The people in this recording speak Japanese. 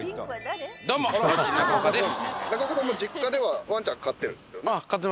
どうもロッチ中岡です。